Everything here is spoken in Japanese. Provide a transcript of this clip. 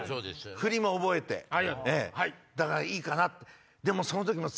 振りも覚えてだからいいかなって。